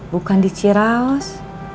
bukan di ciraos